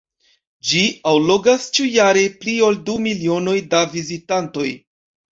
Ĝi allogas ĉiujare pli ol du milionoj da vizitantoj.